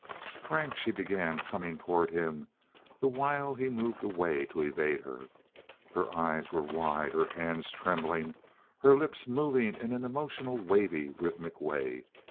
"Frank," she began, coming toward him, the while he moved away to evade her. Her eyes were wide, her hands trembling, her lips moving in an emotional, wavy, rhythmic way.